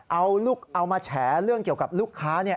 เอามาแฉเรื่องเกี่ยวกับลูกค้า